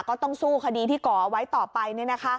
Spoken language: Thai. ก็ต้องสู้คดีที่ก่อไว้ต่อไปนี่นะคะ